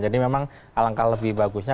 jadi memang alangkah lebih bagusnya